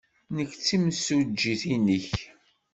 Nekk d timsujjit-nnek.